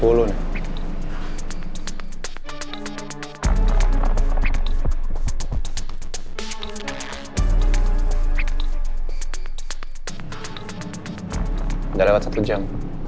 udah lewat satu jam